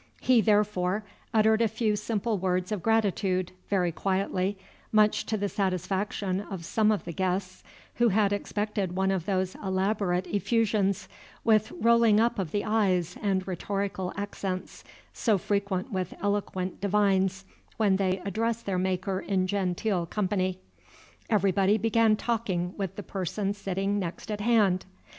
He, therefore, uttered a few simple words of gratitude, very quietly, much to the satisfaction of some of the guests, who had expected one of those elaborate effusions, with rolling up of the eyes and rhetorical accents, so frequent with eloquent divines when they address their Maker in genteel company. Everybody began talking with the person sitting next at hand.